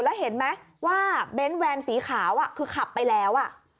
แล้วเห็นไหมว่าเบ้นแวนสีขาวคือขับไปแล้ว